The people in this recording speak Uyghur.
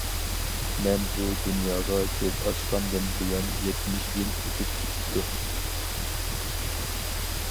مەن بۇ دۇنياغا كۆز ئاچقاندىن بۇيان يەتمىش يىل ئۆتۈپ كېتىپتۇ.